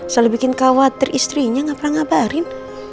selalu bikin khawatir istrinya gak pernah ngabarin